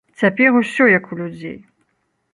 Цяпер усё як у людзей!